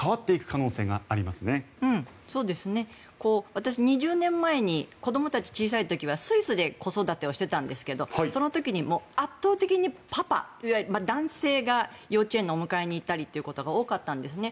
私、２０年前に子どもたちが小さい時にはスイスで子育てをしていたんですがその時に圧倒的にパパ、男性が幼稚園のお迎えに行ったりということが多かったんですね。